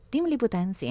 tim liputan cnn indonesia